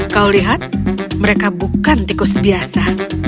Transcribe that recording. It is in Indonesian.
kau lihat mereka bukan tikus biasa